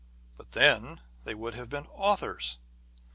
But then they would have been authors